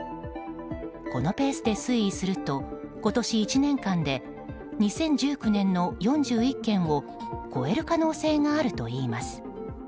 このペースで推移すると今年１年間で２０１９年の４１件を超える可能性があるといいます。